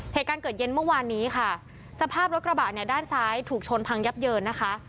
เหตุการณ์เกิดเย็นเมื่อวานนี้ค่ะสภาพรถกระบะเนี่ยด้านซ้ายถูกชนพังยับเยินนะคะ